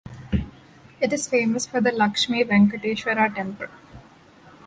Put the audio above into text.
It is famous for the Lakshmi-Venkateshwara temple.